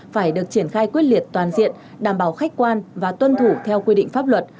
phải được triển khai quyết liệt toàn diện đảm bảo khách quan và tuân thủ theo quy định pháp luật